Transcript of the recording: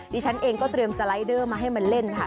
ดิฉันเองก็เตรียมสไลเดอร์มาให้มันเล่นค่ะ